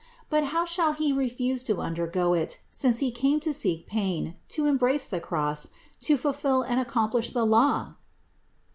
But how shall He refuse to undergo it, since He came to seek pain, to embrace the Cross, to fulfill and accomplish the law?